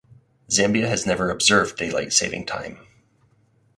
Zambia has never observed daylight saving time.